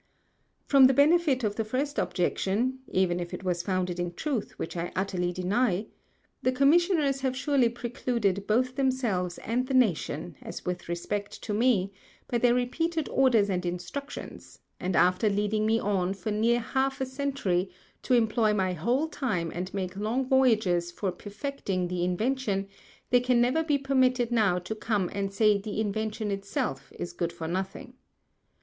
From the Benefit of the first Objection (even if it was founded in Truth, which I utterly deny) the Commissioners have surely precluded both themselves and the Nation, as with Respect to me, by their repeated Orders and Instructions, and after leading me on for near Half a Century, to employ my whole Time and make long Voyages for perfecting the Invention, they can never be permitted now to come and say the Invention itself is good for nothing.